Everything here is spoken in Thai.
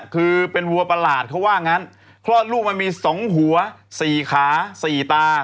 คือเป็นหัวประหลาดเพราะว่างั้นคลอดลูกมันมีสองหัวสี่ขาสี่ตา